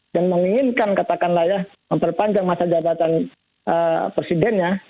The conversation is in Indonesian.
dan menginginkan katakanlah ya memperpanjang masa jabatan presidennya